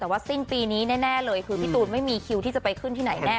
แต่ว่าสิ้นปีนี้แน่เลยคือพี่ตูนไม่มีคิวที่จะไปขึ้นที่ไหนแน่